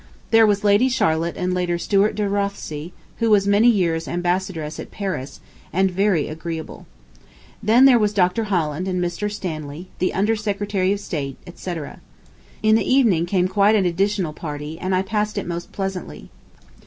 There was Lady Charlotte and Lady Stuart de Rothesay, who was many years ambassadress at Paris, and very agreeable. Then there was Dr. Holland and Mr. Stanley, the under Secretary of State, etc. In the evening came quite an additional party, and I passed it most pleasantly.